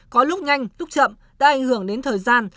có lúc nhanh lúc chậm đã ảnh hưởng đến thời gian